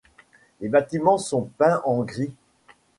Les bâtiments sont peints en gris.